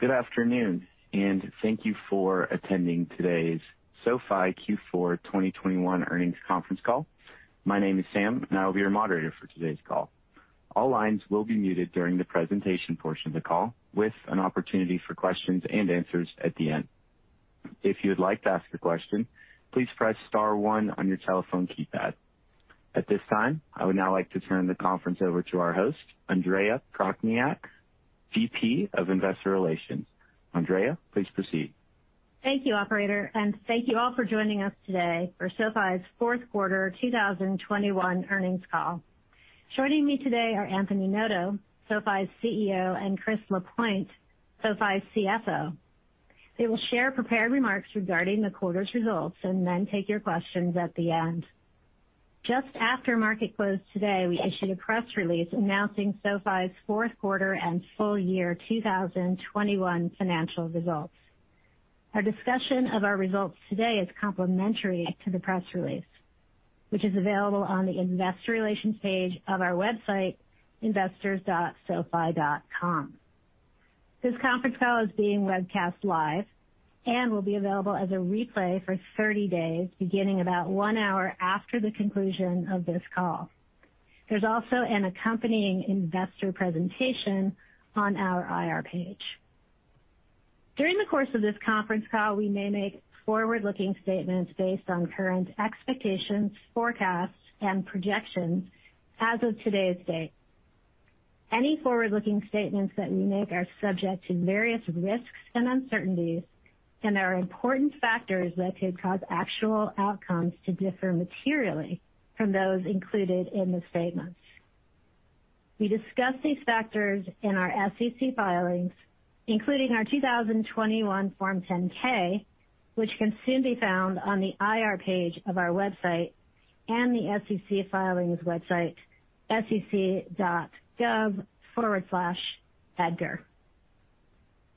Good afternoon, and thank you for attending today's SoFi Q4 2021 earnings conference call. My name is Sam, and I will be your moderator for today's call. All lines will be muted during the presentation portion of the call, with an opportunity for questions and answers at the end. If you would like to ask a question, please press star one on your telephone keypad. At this time, I would now like to turn the conference over to our host, Andrea Prochniak, VP of Investor Relations. Andrea, please proceed. Thank you, operator, and thank you all for joining us today for SoFi's fourth quarter 2021 earnings call. Joining me today are Anthony Noto, SoFi's CEO, and Chris Lapointe, SoFi's CFO. They will share prepared remarks regarding the quarter's results and then take your questions at the end. Just after market close today, we issued a press release announcing SoFi's fourth quarter and full year 2021 financial results. Our discussion of our results today is complementary to the press release, which is available on the investor relations page of our website, investors.sofi.com. This conference call is being webcast live and will be available as a replay for 30 days, beginning about one hour after the conclusion of this call. There's also an accompanying investor presentation on our IR page. During the course of this conference call, we may make forward-looking statements based on current expectations, forecasts, and projections as of today's date. Any forward-looking statements that we make are subject to various risks and uncertainties, and there are important factors that could cause actual outcomes to differ materially from those included in the statements. We discuss these factors in our SEC filings, including our 2021 Form 10-K, which can soon be found on the IR page of our website and the SEC filings website sec.gov/edgar.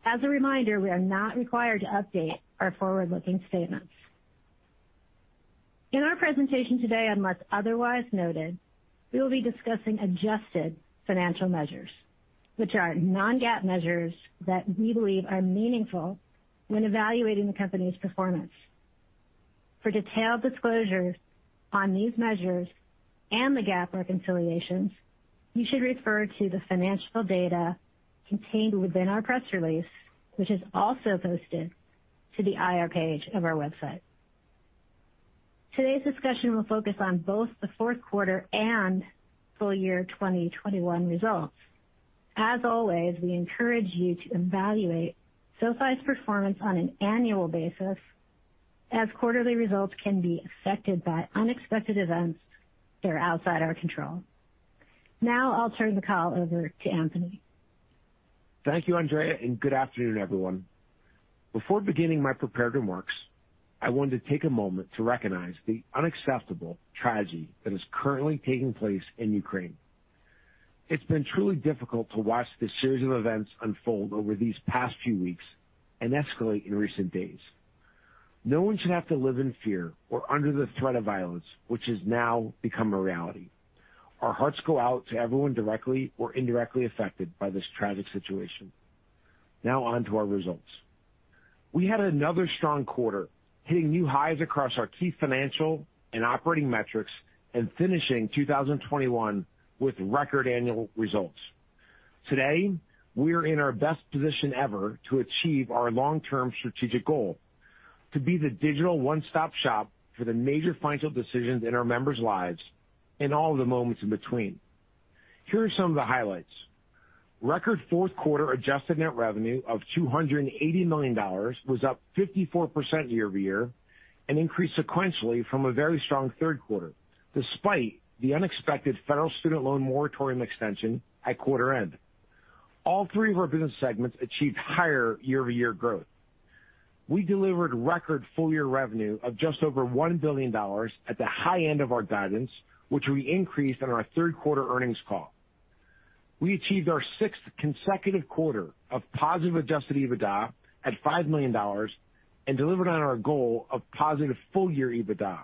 As a reminder, we are not required to update our forward-looking statements. In our presentation today, unless otherwise noted, we will be discussing adjusted financial measures, which are non-GAAP measures that we believe are meaningful when evaluating the company's performance. For detailed disclosures on these measures and the GAAP reconciliations, you should refer to the financial data contained within our press release, which is also posted to the IR page of our website. Today's discussion will focus on both the fourth quarter and full year 2021 results. As always, we encourage you to evaluate SoFi's performance on an annual basis, as quarterly results can be affected by unexpected events that are outside our control. Now I'll turn the call over to Anthony. Thank you, Andrea, and good afternoon, everyone. Before beginning my prepared remarks, I wanted to take a moment to recognize the unacceptable tragedy that is currently taking place in Ukraine. It's been truly difficult to watch this series of events unfold over these past few weeks and escalate in recent days. No one should have to live in fear or under the threat of violence which has now become a reality. Our hearts go out to everyone directly or indirectly affected by this tragic situation. Now on to our results. We had another strong quarter, hitting new highs across our key financial and operating metrics and finishing 2021 with record annual results. Today, we are in our best position ever to achieve our long-term strategic goal. To be the digital one-stop-shop for the major financial decisions in our members' lives and all the moments in between. Here are some of the highlights. Record fourth quarter adjusted net revenue of $280 million was up 54% year-over-year and increased sequentially from a very strong third quarter, despite the unexpected federal student loan moratorium extension at quarter end. All three of our business segments achieved higher year-over-year growth. We delivered record full-year revenue of just over $1 billion at the high end of our guidance, which we increased on our third quarter earnings call. We achieved our sixth consecutive quarter of positive adjusted EBITDA at $5 million and delivered on our goal of positive full-year EBITDA.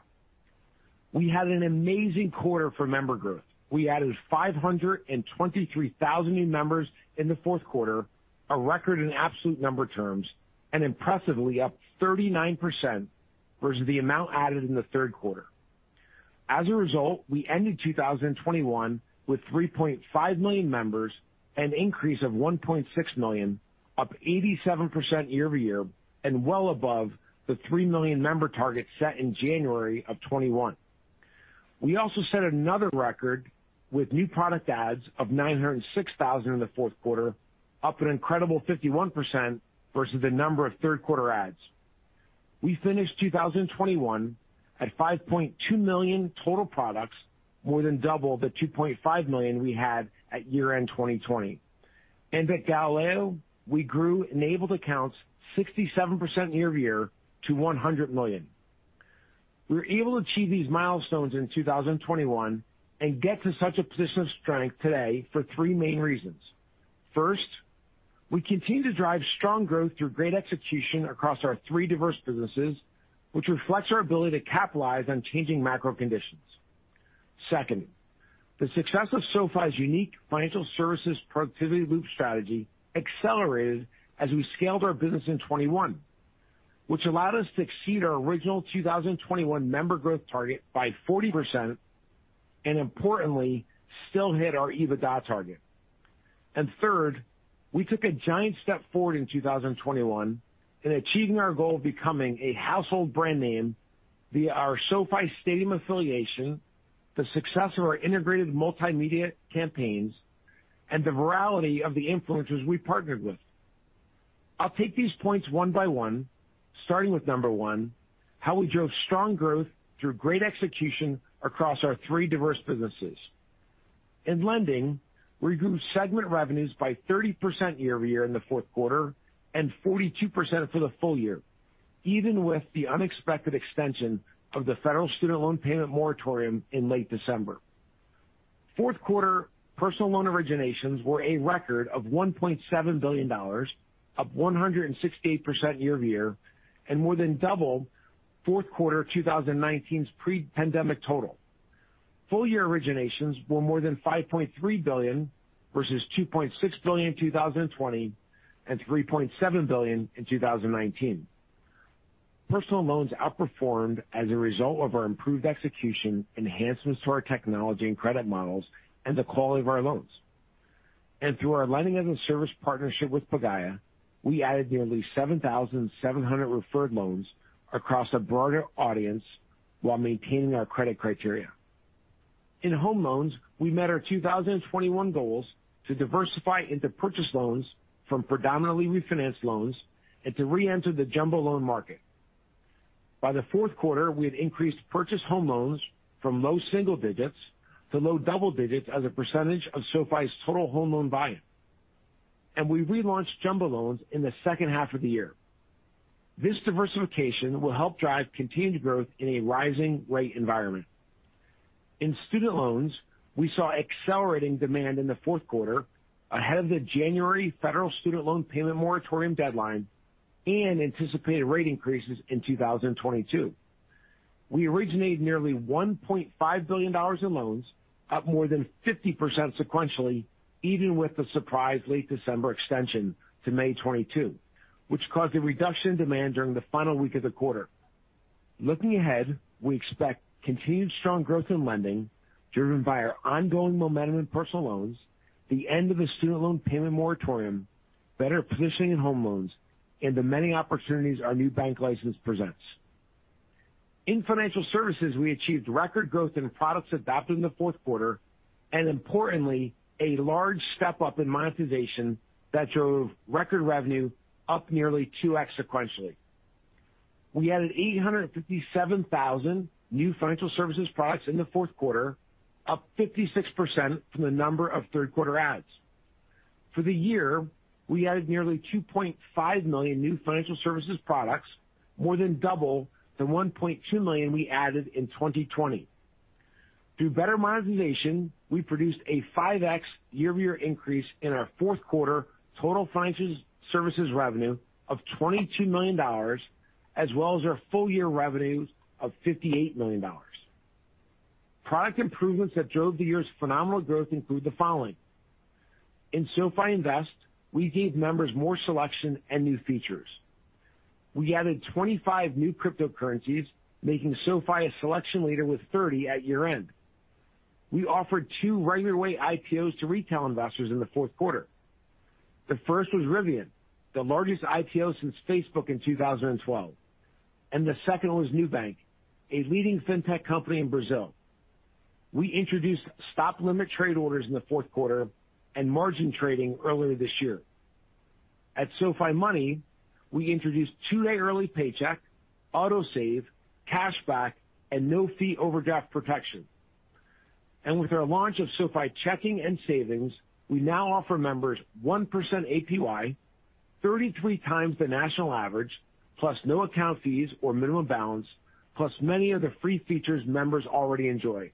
We had an amazing quarter for member growth. We added 523,000 new members in the fourth quarter, a record in absolute number terms, and impressively up 39% versus the amount added in the third quarter. As a result, we ended 2021 with 3.5 million members, an increase of 1.6 million, up 87% year-over-year and well above the 3 million member target set in January of 2021. We also set another record with new product adds of 906,000 in the fourth quarter, up an incredible 51% versus the number of third quarter adds. We finished 2021 at 5.2 million total products, more than double the 2.5 million we had at year-end 2020. At Galileo, we grew enabled accounts 67% year-over-year to 100 million. We were able to achieve these milestones in 2021 and get to such a position of strength today for three main reasons. First, we continue to drive strong growth through great execution across our three diverse businesses, which reflects our ability to capitalize on changing macro conditions. Second, the success of SoFi's unique financial services productivity loop strategy accelerated as we scaled our business in 2021, which allowed us to exceed our original 2021 member growth target by 40% and importantly, still hit our EBITDA target. Third, we took a giant step forward in 2021 in achieving our goal of becoming a household brand name via our SoFi Stadium affiliation, the success of our integrated multimedia campaigns, and the virality of the influencers we partnered with. I'll take these points one by one, starting with number one, how we drove strong growth through great execution across our three diverse businesses. In lending, we grew segment revenues by 30% year-over-year in the fourth quarter and 42% for the full year, even with the unexpected extension of the federal student loan payment moratorium in late December. Fourth quarter personal loan originations were a record of $1.7 billion, up 168% year-over-year, and more than double fourth quarter 2019's pre-pandemic total. Full year originations were more than $5.3 billion versus $2.6 billion in 2020 and $3.7 billion in 2019. Personal loans outperformed as a result of our improved execution, enhancements to our technology and credit models, and the quality of our loans. Through our lending-as-a-service partnership with Pagaya, we added nearly 7,700 referred loans across a broader audience while maintaining our credit criteria. In home loans, we met our 2021 goals to diversify into purchase loans from predominantly refinanced loans and to re-enter the jumbo loan market. By the fourth quarter, we had increased purchase home loans from low single digits to low double digits as a percentage of SoFi's total home loan volume. We relaunched jumbo loans in the second half of the year. This diversification will help drive continued growth in a rising rate environment. In student loans, we saw accelerating demand in the fourth quarter ahead of the January federal student loan payment moratorium deadline and anticipated rate increases in 2022. We originated nearly $1.5 billion in loans, up more than 50% sequentially, even with the surprise late December extension to May 2022, which caused a reduction in demand during the final week of the quarter. Looking ahead, we expect continued strong growth in lending, driven by our ongoing momentum in personal loans, the end of the student loan payment moratorium, better positioning in home loans, and the many opportunities our new bank license presents. In financial services, we achieved record growth in products adopted in the fourth quarter, and importantly, a large step-up in monetization that drove record revenue up nearly 2x sequentially. We added 857,000 new financial services products in the fourth quarter, up 56% from the number of third quarter adds. For the year, we added nearly 2.5 million new financial services products, more than double the 1.2 million we added in 2020. Through better monetization, we produced a 5x year-over-year increase in our fourth quarter total financial services revenue of $22 million as well as our full year revenue of $58 million. Product improvements that drove the year's phenomenal growth include the following. In SoFi Invest, we gave members more selection and new features. We added 25 new cryptocurrencies, making SoFi a selection leader with 30 at year-end. We offered two regular way IPOs to retail investors in the fourth quarter. The first was Rivian, the largest IPO since Facebook in 2012, and the second was Nubank, a leading fintech company in Brazil. We introduced stop limit trade orders in the fourth quarter and margin trading earlier this year. At SoFi Money, we introduced two-day early paycheck, Autosave, cashback, and no-fee overdraft protection. With our launch of SoFi Checking and Savings, we now offer members 1% APY, 33 times the national average, plus no account fees or minimum balance, plus many of the free features members already enjoy.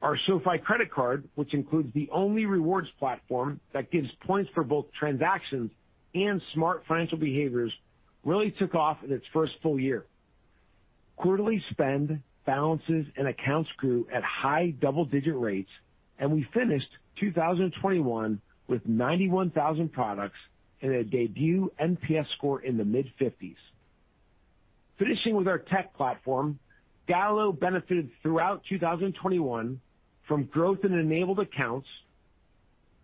Our SoFi Credit Card, which includes the only rewards platform that gives points for both transactions and smart financial behaviors, really took off in its first full year. Quarterly spend, balances, and accounts grew at high double-digit rates, and we finished 2021 with 91,000 products and a debut NPS score in the mid-50s. Finishing with our tech platform, Galileo benefited throughout 2021 from growth in enabled accounts,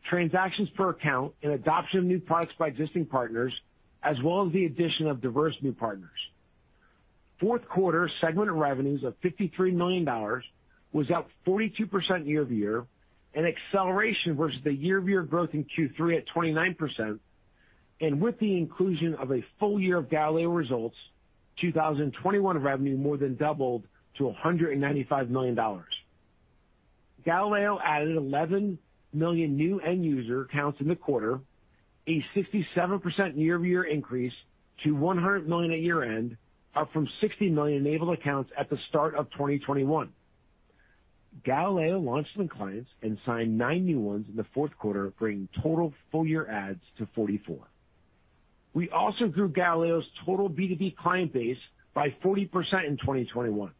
transactions per account, and adoption of new products by existing partners, as well as the addition of diverse new partners. Fourth quarter segment revenues of $53 million was up 42% year-over-year, an acceleration versus the year-over-year growth in Q3 at 29%. With the inclusion of a full year of Galileo results, 2021 revenue more than doubled to $195 million. Galileo added 11 million new end user accounts in the quarter, a 67% year-over-year increase to 100 million at year-end, up from 60 million enabled accounts at the start of 2021. Galileo launched some clients and signed nine new ones in the fourth quarter, bringing total full-year adds to 44. We also grew Galileo's total B2B client base by 40% in 2021.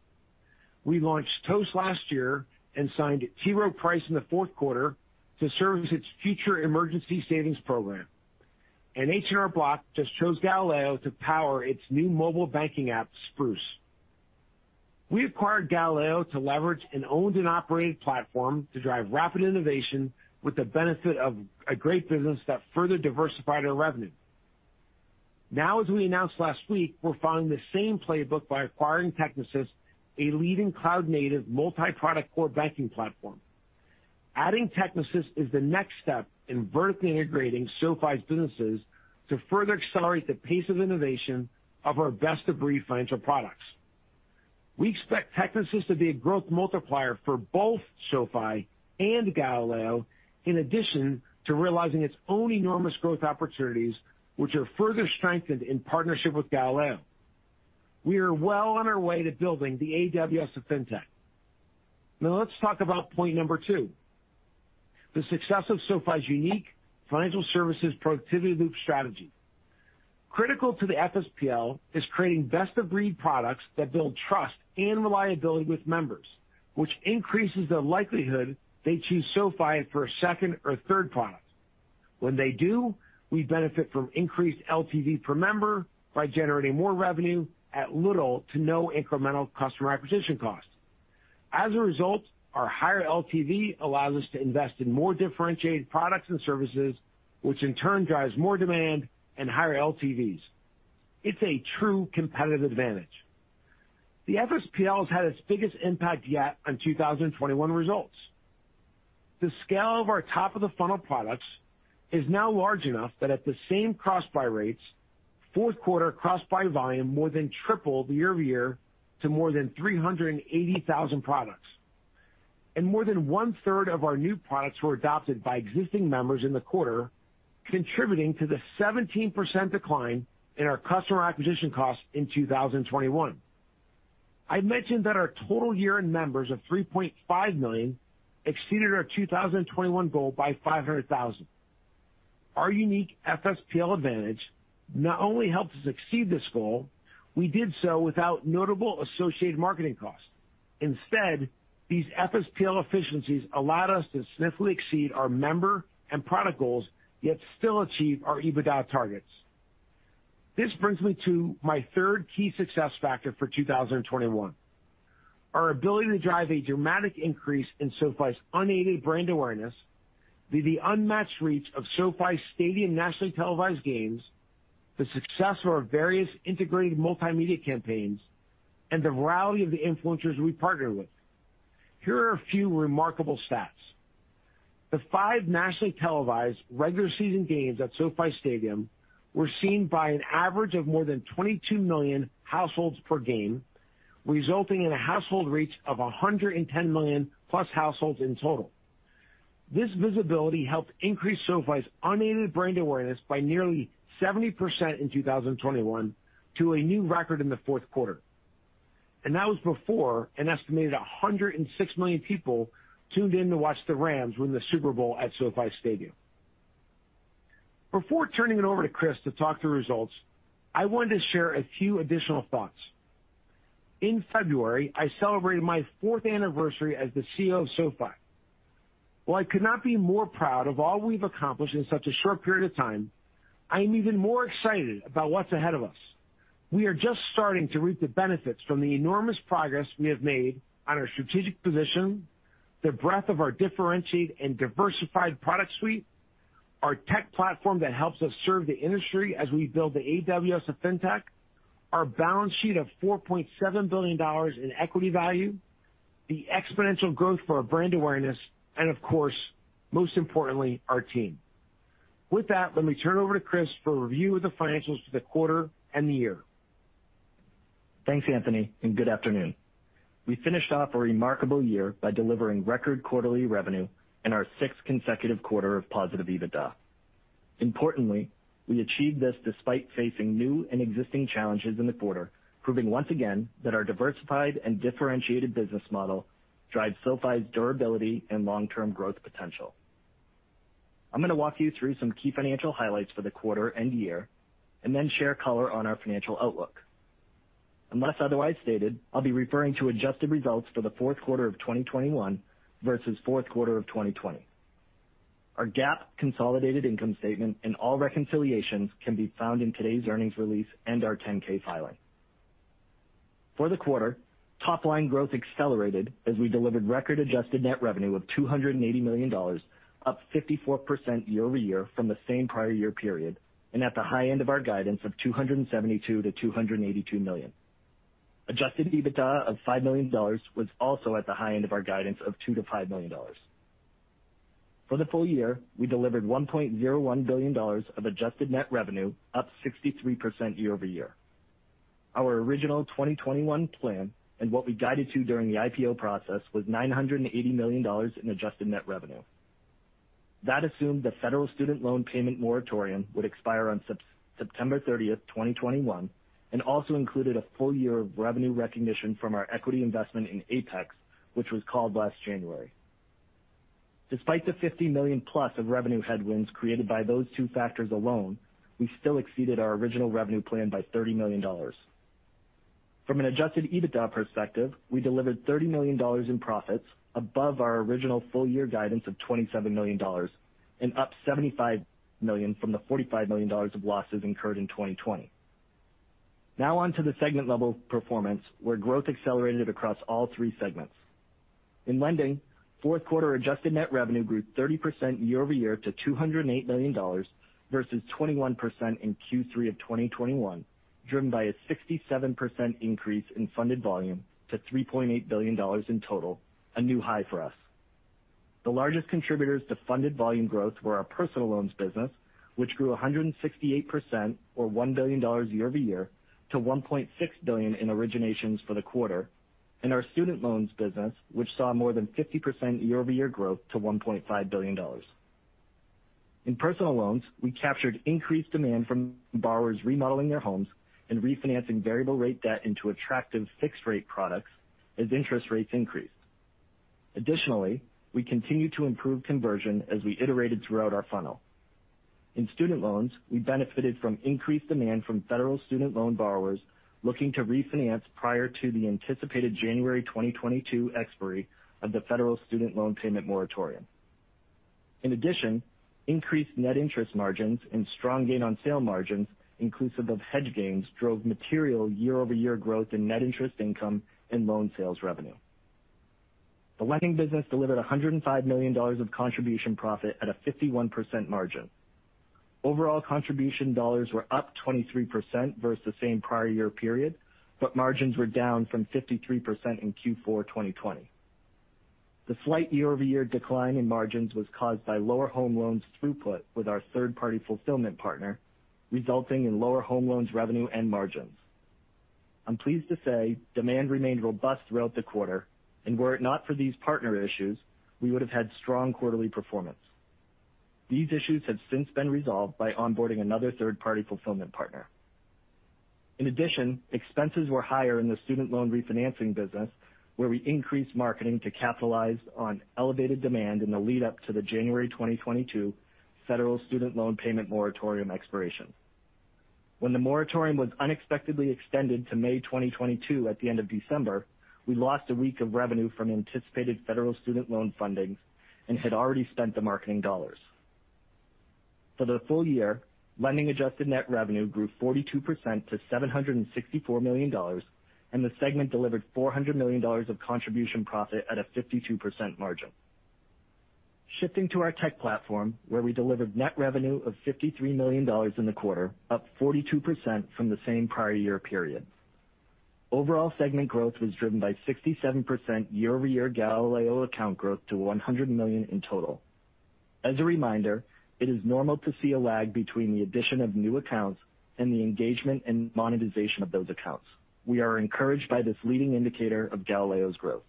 We launched Toast last year and signed T. Rowe Price in the fourth quarter to serve as its future emergency savings program. H&R Block just chose Galileo to power its new mobile banking app, Spruce. We acquired Galileo to leverage an owned and operated platform to drive rapid innovation with the benefit of a great business that further diversified our revenue. Now, as we announced last week, we're following the same playbook by acquiring Technisys, a leading cloud-native multi-product core banking platform. Adding Technisys is the next step in vertically integrating SoFi's businesses to further accelerate the pace of innovation of our best-of-breed financial products. We expect Technisys to be a growth multiplier for both SoFi and Galileo, in addition to realizing its own enormous growth opportunities, which are further strengthened in partnership with Galileo. We are well on our way to building the AWS of Fintech. Now, let's talk about point number two, the success of SoFi's unique financial services productivity loop strategy. Critical to the FSPL is creating best-of-breed products that build trust and reliability with members, which increases the likelihood they choose SoFi for a second or third product. When they do, we benefit from increased LTV per member by generating more revenue at little to no incremental customer acquisition cost. As a result, our higher LTV allows us to invest in more differentiated products and services, which in turn drives more demand and higher LTVs. It's a true competitive advantage. The FSPL has had its biggest impact yet on 2021 results. The scale of our top-of-the-funnel products is now large enough that at the same cross-buy rates, fourth quarter cross-buy volume more than tripled year-over-year to more than 380,000 products. More than one-third of our new products were adopted by existing members in the quarter, contributing to the 17% decline in our customer acquisition cost in 2021. I mentioned that our total year-end members of 3.5 million exceeded our 2021 goal by 500,000. Our unique FSPL advantage not only helped us exceed this goal, we did so without notable associated marketing costs. Instead, these FSPL efficiencies allowed us to swiftly exceed our member and product goals, yet still achieve our EBITDA targets. This brings me to my third key success factor for 2021, our ability to drive a dramatic increase in SoFi's unaided brand awareness through the unmatched reach of SoFi's Stadium nationally televised games, the success of our various integrated multimedia campaigns, and the variety of the influencers we partner with. Here are a few remarkable stats. The five nationally televised regular season games at SoFi Stadium were seen by an average of more than 22 million households per game, resulting in a household reach of 110 million-plus households in total. This visibility helped increase SoFi's unaided brand awareness by nearly 70% in 2021 to a new record in the fourth quarter, and that was before an estimated 106 million people tuned in to watch the Rams win the Super Bowl at SoFi Stadium. Before turning it over to Chris to talk through results, I wanted to share a few additional thoughts. In February, I celebrated my fourth anniversary as the CEO of SoFi. While I could not be more proud of all we've accomplished in such a short period of time, I am even more excited about what's ahead of us. We are just starting to reap the benefits from the enormous progress we have made on our strategic position, the breadth of our differentiated and diversified product suite, our tech platform that helps us serve the industry as we build the AWS of Fintech, our balance sheet of $4.7 billion in equity value, the exponential growth for our brand awareness, and of course, most importantly, our team. With that, let me turn it over to Chris for a review of the financials for the quarter and the year. Thanks, Anthony, and good afternoon. We finished off a remarkable year by delivering record quarterly revenue and our sixth consecutive quarter of positive EBITDA. Importantly, we achieved this despite facing new and existing challenges in the quarter, proving once again that our diversified and differentiated business model drives SoFi's durability and long-term growth potential. I'm gonna walk you through some key financial highlights for the quarter and year and then share color on our financial outlook. Unless otherwise stated, I'll be referring to adjusted results for the fourth quarter of 2021 versus fourth quarter of 2020. Our GAAP consolidated income statement and all reconciliations can be found in today's earnings release and our 10-K filing. For the quarter, top line growth accelerated as we delivered record adjusted net revenue of $280 million, up 54% year-over-year from the same prior year period and at the high end of our guidance of $272 million-$282 million. Adjusted EBITDA of $5 million was also at the high end of our guidance of $2 million-$5 million. For the full year, we delivered $1.01 billion of adjusted net revenue, up 63% year-over-year. Our original 2021 plan and what we guided to during the IPO process was $980 million in adjusted net revenue. That assumed the federal student loan payment moratorium would expire on September 30th, 2021, and also included a full year of revenue recognition from our equity investment in Apex, which was called last January. Despite the $50 million+ of revenue headwinds created by those two factors alone, we still exceeded our original revenue plan by $30 million. From an adjusted EBITDA perspective, we delivered $30 million in profits above our original full-year guidance of $27 million and up $75 million from the $45 million of losses incurred in 2020. Now on to the segment-level performance, where growth accelerated across all three segments. In lending, fourth quarter adjusted net revenue grew 30% year-over-year to $208 million versus 21% in Q3 of 2021, driven by a 67% increase in funded volume to $3.8 billion in total, a new high for us. The largest contributors to funded volume growth were our personal loans business, which grew 168% or $1 billion year-over-year to $1.6 billion in originations for the quarter, and our student loans business, which saw more than 50% year-over-year growth to $1.5 billion. In personal loans, we captured increased demand from borrowers remodeling their homes and refinancing variable rate debt into attractive fixed-rate products as interest rates increased. Additionally, we continued to improve conversion as we iterated throughout our funnel. In student loans, we benefited from increased demand from federal student loan borrowers looking to refinance prior to the anticipated January 2022 expiry of the federal student loan payment moratorium. In addition, increased net interest margins and strong gain on sale margins inclusive of hedge gains drove material year-over-year growth in net interest income and loan sales revenue. The lending business delivered $105 million of contribution profit at a 51% margin. Overall contribution dollars were up 23% versus the same prior year period, but margins were down from 53% in Q4 2020. The slight year-over-year decline in margins was caused by lower home loans throughput with our third-party fulfillment partner, resulting in lower home loans revenue and margins. I'm pleased to say demand remained robust throughout the quarter, and were it not for these partner issues, we would have had strong quarterly performance. These issues have since been resolved by onboarding another third-party fulfillment partner. In addition, expenses were higher in the student loan refinancing business, where we increased marketing to capitalize on elevated demand in the lead-up to the January 2022 federal student loan payment moratorium expiration. When the moratorium was unexpectedly extended to May 2022 at the end of December, we lost a week of revenue from anticipated federal student loan funding and had already spent the marketing dollars. For the full year, lending adjusted net revenue grew 42% to $764 million, and the segment delivered $400 million of contribution profit at a 52% margin. Shifting to our tech platform, where we delivered net revenue of $53 million in the quarter, up 42% from the same prior year period. Overall segment growth was driven by 67% year-over-year Galileo account growth to 100 million in total. As a reminder, it is normal to see a lag between the addition of new accounts and the engagement and monetization of those accounts. We are encouraged by this leading indicator of Galileo's growth.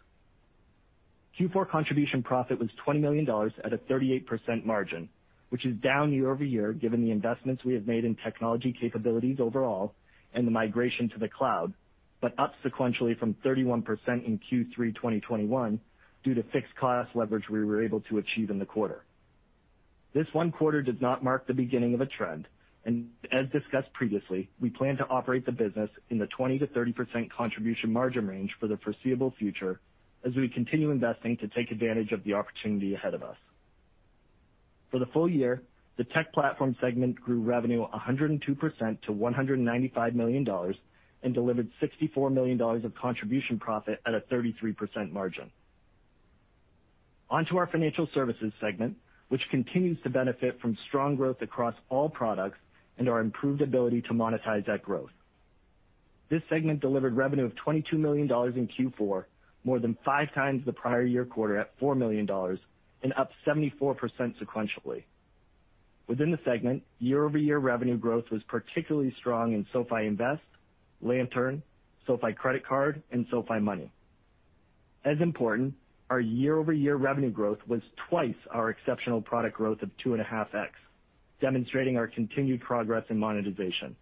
Q4 contribution profit was $20 million at a 38% margin, which is down year over year, given the investments we have made in technology capabilities overall and the migration to the cloud, but up sequentially from 31% in Q3 2021 due to fixed cost leverage we were able to achieve in the quarter. This one quarter does not mark the beginning of a trend, and as discussed previously, we plan to operate the business in the 20%-30% contribution margin range for the foreseeable future as we continue investing to take advantage of the opportunity ahead of us. For the full year, the Technology Platform segment grew revenue 102% to $195 million and delivered $64 million of contribution profit at a 33% margin. On to our Financial Services segment, which continues to benefit from strong growth across all products and our improved ability to monetize that growth. This segment delivered revenue of $22 million in Q4, more than 5x the prior year quarter at $4 million and up 74% sequentially. Within the segment, year-over-year revenue growth was particularly strong in SoFi Invest, Lantern, SoFi Credit Card, and SoFi Money. As important, our year-over-year revenue growth was twice our exceptional product growth of 2.5x, demonstrating our continued progress in monetization.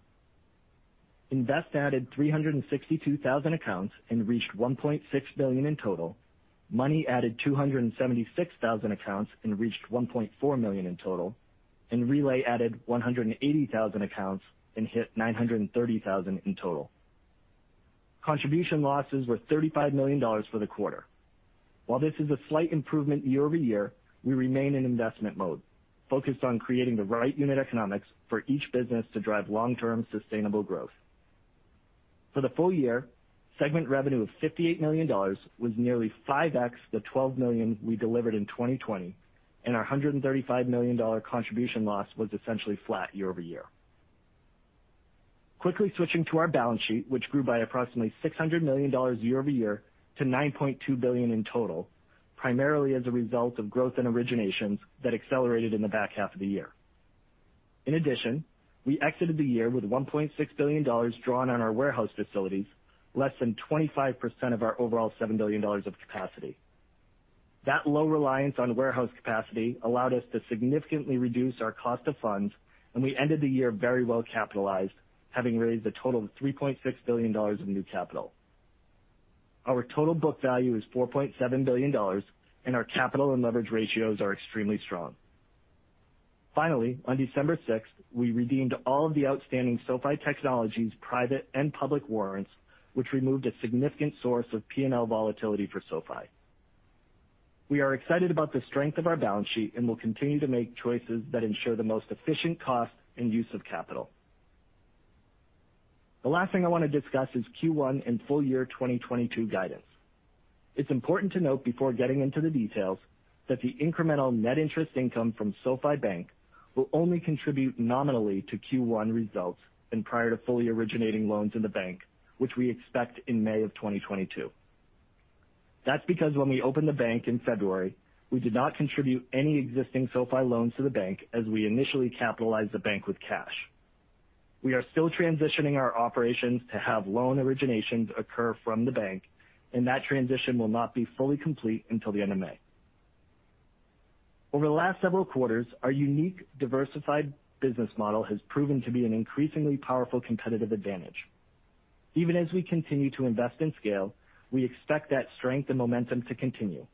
Invest added 362,000 accounts and reached 1.6 billion in total. Money added 276,000 accounts and reached 1.4 million in total. Relay added 180,000 accounts and hit 930,000 in total. Contribution losses were $35 million for the quarter. While this is a slight improvement year-over-year, we remain in investment mode, focused on creating the right unit economics for each business to drive long-term sustainable growth. For the full year, segment revenue of $58 million was nearly 5x the $12 million we delivered in 2020, and our $135 million contribution loss was essentially flat year-over-year. Quickly switching to our balance sheet, which grew by approximately $600 million year-over-year to $9.2 billion in total, primarily as a result of growth in originations that accelerated in the back half of the year. In addition, we exited the year with $1.6 billion drawn on our warehouse facilities, less than 25% of our overall $7 billion of capacity. That low reliance on warehouse capacity allowed us to significantly reduce our cost of funds, and we ended the year very well-capitalized, having raised a total of $3.6 billion of new capital. Our total book value is $4.7 billion, and our capital and leverage ratios are extremely strong. Finally, on December sixth, we redeemed all of the outstanding SoFi Technologies private and public warrants, which removed a significant source of P&L volatility for SoFi. We are excited about the strength of our balance sheet, and we'll continue to make choices that ensure the most efficient cost and use of capital. The last thing I wanna discuss is Q1 and full year 2022 guidance. It's important to note before getting into the details that the incremental net interest income from SoFi Bank will only contribute nominally to Q1 results and prior to fully originating loans in the bank, which we expect in May 2022. That's because when we opened the bank in February, we did not contribute any existing SoFi loans to the bank as we initially capitalized the bank with cash. We are still transitioning our operations to have loan originations occur from the bank, and that transition will not be fully complete until the end of May. Over the last several quarters, our unique diversified business model has proven to be an increasingly powerful competitive advantage. Even as we continue to invest in scale, we expect that strength and momentum to continue.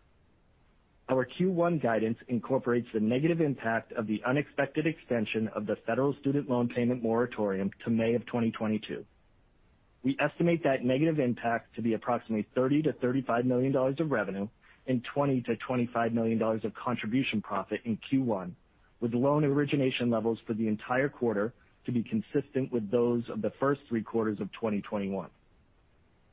Our Q1 guidance incorporates the negative impact of the unexpected extension of the federal student loan payment moratorium to May of 2022. We estimate that negative impact to be approximately $30 million-$35 million of revenue and $20 million-$25 million of contribution profit in Q1, with loan origination levels for the entire quarter to be consistent with those of the first three quarters of 2021.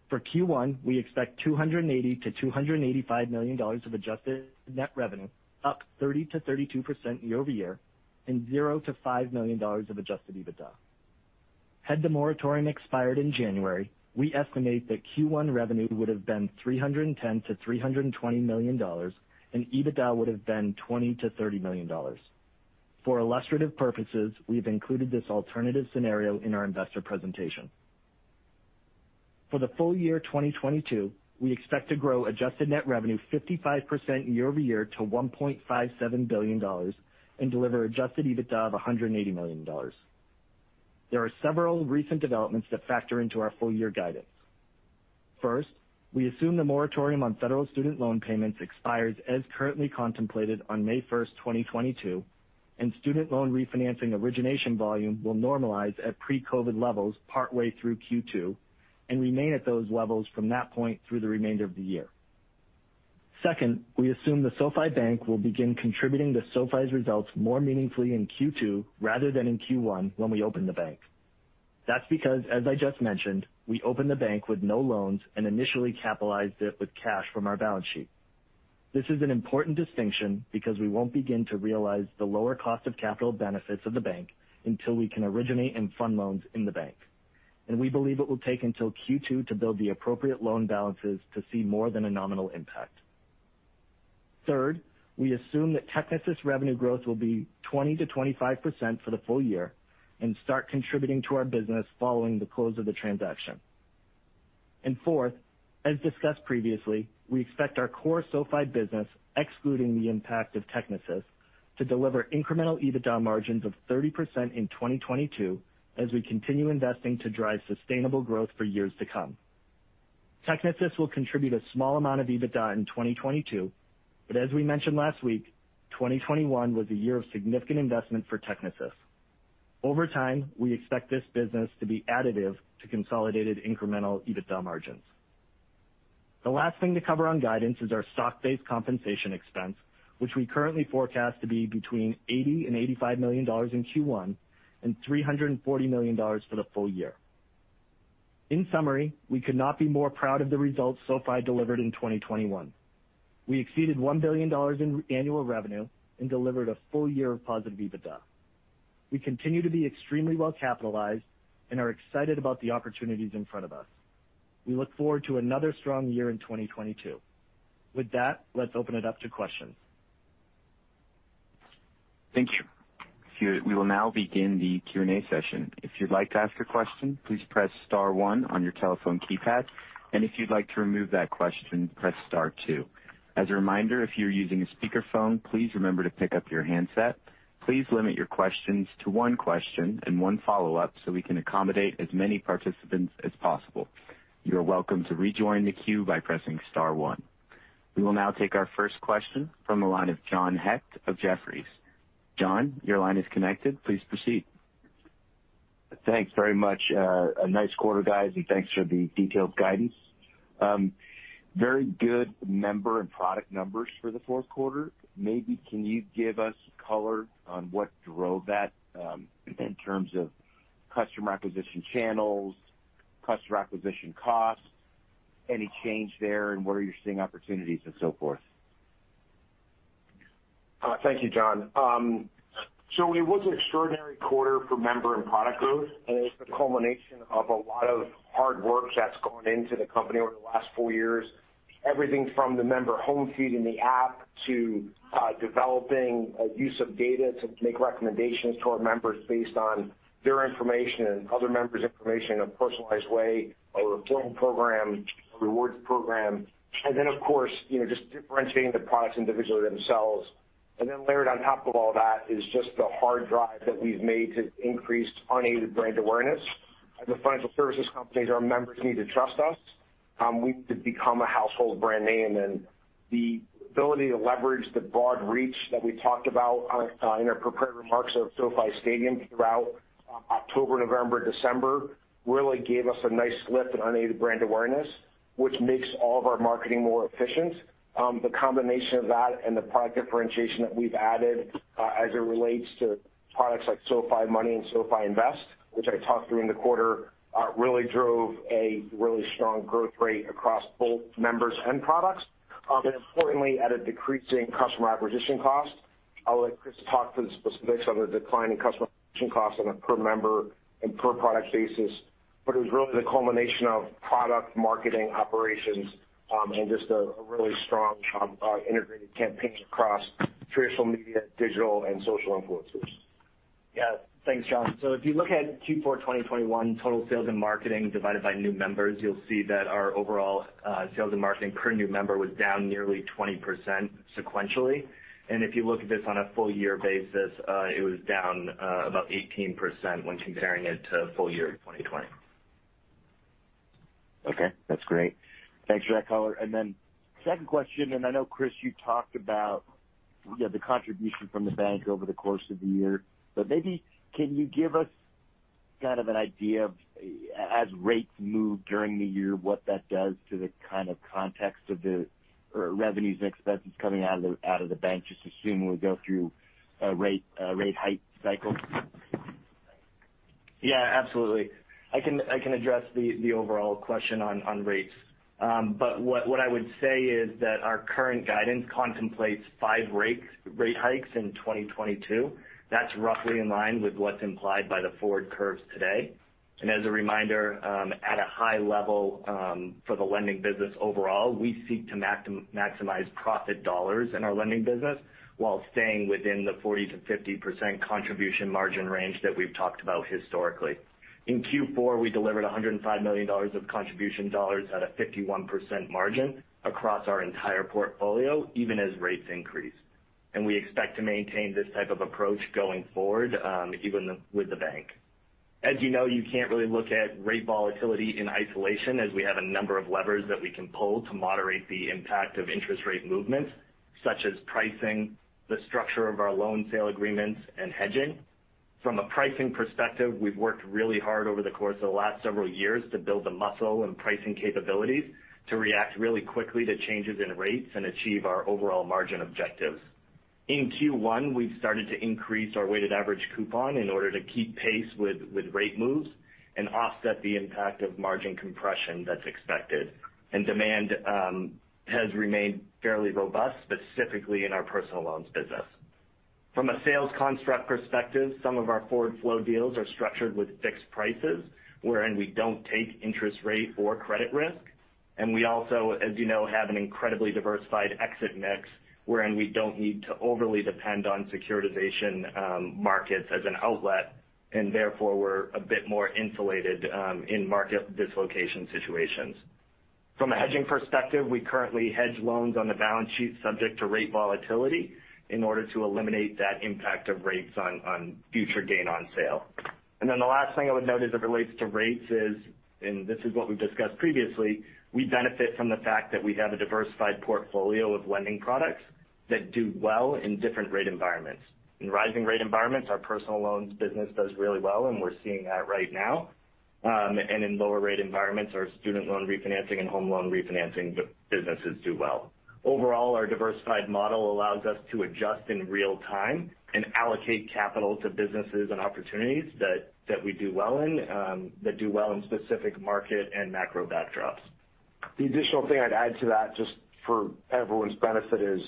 For Q1, we expect $280 million-$285 million of adjusted net revenue, up 30%-32% year-over-year, and $0 million-$5 million of adjusted EBITDA. Had the moratorium expired in January, we estimate that Q1 revenue would've been $310 million-$320 million, and EBITDA would've been $20 million-$30 million. For illustrative purposes, we've included this alternative scenario in our investor presentation. For the full year 2022, we expect to grow adjusted net revenue 55% year over year to $1.57 billion and deliver adjusted EBITDA of $180 million. There are several recent developments that factor into our full year guidance. First, we assume the moratorium on federal student loan payments expires as currently contemplated on May 1st, 2022, and student loan refinancing origination volume will normalize at pre-COVID levels partway through Q2 and remain at those levels from that point through the remainder of the year. Second, we assume the SoFi Bank will begin contributing to SoFi's results more meaningfully in Q2 rather than in Q1 when we open the bank. That's because, as I just mentioned, we opened the bank with no loans and initially capitalized it with cash from our balance sheet. This is an important distinction because we won't begin to realize the lower cost of capital benefits of the bank until we can originate and fund loans in the bank, and we believe it will take until Q2 to build the appropriate loan balances to see more than a nominal impact. Third, we assume that Technisys revenue growth will be 20%-25% for the full year and start contributing to our business following the close of the transaction. Fourth, as discussed previously, we expect our core SoFi business, excluding the impact of Technisys, to deliver incremental EBITDA margins of 30% in 2022 as we continue investing to drive sustainable growth for years to come. Technisys will contribute a small amount of EBITDA in 2022, but as we mentioned last week, 2021 was a year of significant investment for Technisys. Over time, we expect this business to be additive to consolidated incremental EBITDA margins. The last thing to cover on guidance is our stock-based compensation expense, which we currently forecast to be between $80 million-$85 million in Q1 and $340 million for the full year. In summary, we could not be more proud of the results SoFi delivered in 2021. We exceeded $1 billion in annual revenue and delivered a full year of positive EBITDA. We continue to be extremely well capitalized and are excited about the opportunities in front of us. We look forward to another strong year in 2022. With that, let's open it up to questions. Thank you. We will now begin the Q&A session. If you'd like to ask a question, please press star one on your telephone keypad, and if you'd like to remove that question, press star two. As a reminder, if you're using a speakerphone, please remember to pick up your handset. Please limit your questions to one question and one follow-up so we can accommodate as many participants as possible. You're welcome to rejoin the queue by pressing star one. We will now take our first question from the line of John Hecht of Jefferies. John, your line is connected. Please proceed. Thanks very much. A nice quarter, guys, and thanks for the detailed guidance. Very good member and product numbers for the fourth quarter. Maybe can you give us color on what drove that, in terms of customer acquisition channels, customer acquisition costs, any change there, and where you're seeing opportunities and so forth? Thank you, John. So it was an extraordinary quarter for member and product growth, and it was the culmination of a lot of hard work that's gone into the company over the last four years. Everything from the member home feed in the app to developing a use of data to make recommendations to our members based on their information and other members' information in a personalized way, a referral program, a rewards program, and then, of course, you know, just differentiating the products individually themselves. Layered on top of all that is just the hard drive that we've made to increase unaided brand awareness. As a financial services companies, our members need to trust us. We need to become a household brand name. The ability to leverage the broad reach that we talked about in our prepared remarks of SoFi Stadium throughout October, November, December really gave us a nice lift in unaided brand awareness, which makes all of our marketing more efficient. The combination of that and the product differentiation that we've added as it relates to products like SoFi Money and SoFi Invest, which I talked through in the quarter, really drove a really strong growth rate across both members and products, and importantly, at a decreasing customer acquisition cost. I'll let Chris talk to the specifics on the decline in customer acquisition costs on a per member and per product basis. It was really the culmination of product marketing operations, and just a really strong integrated campaign across traditional media, digital, and social influencers. Yeah. Thanks, John. If you look at Q4 2021 total sales and marketing divided by new members, you'll see that our overall sales and marketing per new member was down nearly 20% sequentially. If you look at this on a full year basis, it was down about 18% when comparing it to full year 2020. Okay. That's great. Thanks for that color. Second question, I know, Chris, you talked about, you know, the contribution from the bank over the course of the year. Maybe can you give us kind of an idea of, as rates move during the year, what that does to the kind of context or revenues and expenses coming out of the bank, just assuming we go through a rate hike cycle? Yeah, absolutely. I can address the overall question on rates. But what I would say is that our current guidance contemplates five rate hikes in 2022. That's roughly in line with what's implied by the forward curves today. As a reminder, at a high level, for the lending business overall, we seek to maximize profit dollars in our lending business while staying within the 40%-50% contribution margin range that we've talked about historically. In Q4, we delivered $105 million of contribution dollars at a 51% margin across our entire portfolio, even as rates increase. We expect to maintain this type of approach going forward, even with the bank. As you know, you can't really look at rate volatility in isolation as we have a number of levers that we can pull to moderate the impact of interest rate movements, such as pricing, the structure of our loan sale agreements, and hedging. From a pricing perspective, we've worked really hard over the course of the last several years to build the muscle and pricing capabilities to react really quickly to changes in rates and achieve our overall margin objectives. In Q1, we've started to increase our weighted average coupon in order to keep pace with rate moves and offset the impact of margin compression that's expected. Demand has remained fairly robust, specifically in our personal loans business. From a sales construct perspective, some of our forward flow deals are structured with fixed prices wherein we don't take interest rate or credit risk. We also, as you know, have an incredibly diversified exit mix wherein we don't need to overly depend on securitization markets as an outlet, and therefore, we're a bit more insulated in market dislocation situations. From a hedging perspective, we currently hedge loans on the balance sheet subject to rate volatility in order to eliminate that impact of rates on future gain on sale. Then the last thing I would note as it relates to rates is, and this is what we've discussed previously, we benefit from the fact that we have a diversified portfolio of lending products that do well in different rate environments. In rising rate environments, our personal loans business does really well, and we're seeing that right now. In lower rate environments, our student loan refinancing and home loan refinancing businesses do well. Overall, our diversified model allows us to adjust in real time and allocate capital to businesses and opportunities that we do well in that do well in specific market and macro backdrops. The additional thing I'd add to that just for everyone's benefit is,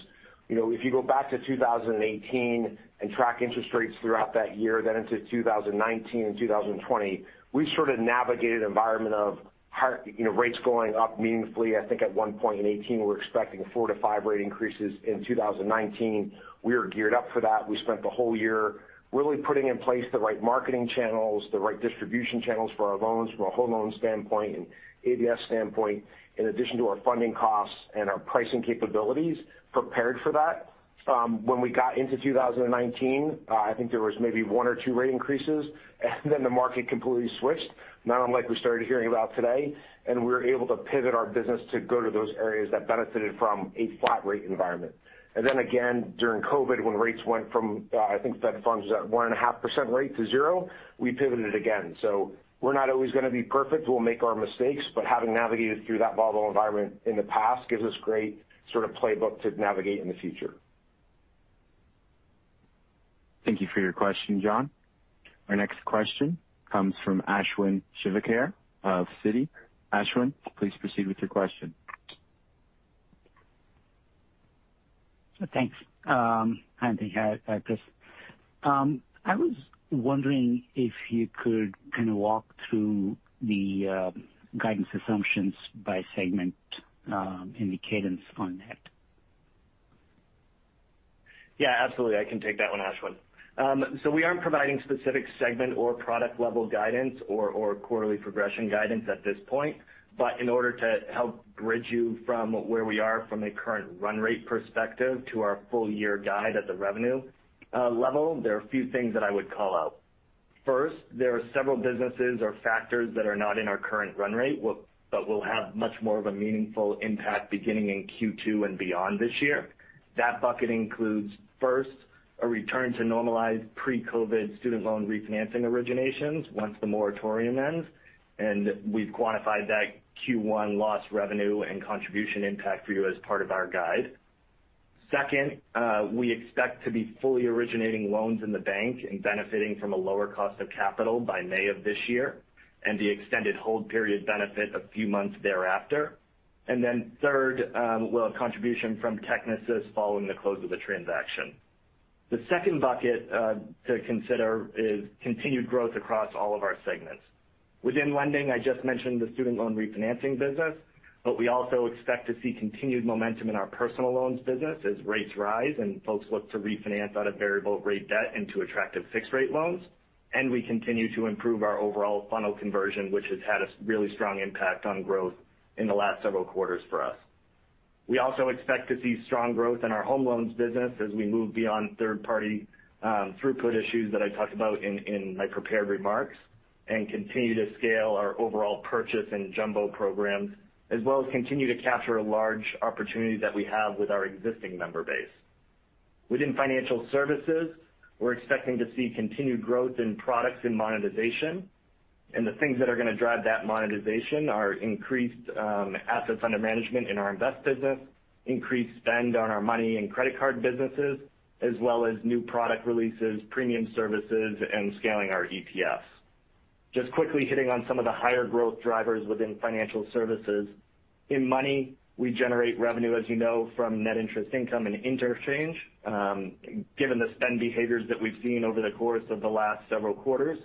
you know, if you go back to 2018 and track interest rates throughout that year then into 2019 and 2020, we sort of navigated an environment of high, you know, rates going up meaningfully. I think at one point in 2018, we were expecting four to five rate increases in 2019. We were geared up for that. We spent the whole year really putting in place the right marketing channels, the right distribution channels for our loans from a whole loan standpoint and ABS standpoint, in addition to our funding costs and our pricing capabilities prepared for that. When we got into 2019, I think there was maybe one or two rate increases, and then the market completely switched, not unlike we started hearing about today, and we were able to pivot our business to go to those areas that benefited from a flat rate environment. Then again, during COVID, when rates went from, I think Fed Funds was at 1.5% rate-0%, we pivoted again. We're not always going to be perfect. We'll make our mistakes, but having navigated through that volatile environment in the past gives us great sort of playbook to navigate in the future. Thank you for your question, John. Our next question comes from Ashwin Shirvaikar of Citi. Ashwin, please proceed with your question. Thanks, Anthony and Chris. I was wondering if you could kind of walk through the guidance assumptions by segment, and the cadence on that. Yeah, absolutely. I can take that one, Ashwin. So we aren't providing specific segment or product level guidance or quarterly progression guidance at this point. In order to help bridge you from where we are from a current run rate perspective to our full-year guide at the revenue level, there are a few things that I would call out. First, there are several businesses or factors that are not in our current run rate but will have much more of a meaningful impact beginning in Q2 and beyond this year. That bucket includes, first, a return to normalized pre-COVID student loan refinancing originations once the moratorium ends, and we've quantified that Q1 loss revenue and contribution impact for you as part of our guide. Second, we expect to be fully originating loans in the bank and benefiting from a lower cost of capital by May of this year and the extended hold period benefit a few months thereafter. Third, we'll have contribution from Technisys following the close of the transaction. The second bucket to consider is continued growth across all of our segments. Within lending, I just mentioned the student loan refinancing business, but we also expect to see continued momentum in our personal loans business as rates rise and folks look to refinance out of variable rate debt into attractive fixed rate loans. We continue to improve our overall funnel conversion, which has had a really strong impact on growth in the last several quarters for us. We also expect to see strong growth in our home loans business as we move beyond third-party throughput issues that I talked about in my prepared remarks and continue to scale our overall purchase and jumbo programs, as well as continue to capture a large opportunity that we have with our existing member base. Within financial services, we're expecting to see continued growth in products and monetization, and the things that are going to drive that monetization are increased assets under management in our Invest business, increased spend on our Money and Credit Card businesses, as well as new product releases, premium services, and scaling our ETFs. Just quickly hitting on some of the higher growth drivers within financial services. In Money, we generate revenue, as you know, from net interest income and interchange. Given the spend behaviors that we've seen over the course of the last several quarters,